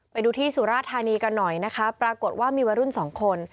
ไปดูที่สุราธานีกันหน่อยนะคะปรากฏว่ามีวัยรุ่นสองคน